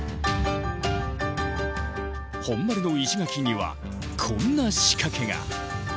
本丸の石垣にはこんな仕掛けが。